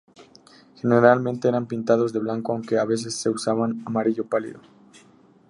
Generalmente eran pintados de blanco, aunque a veces se usaba amarillo pálido.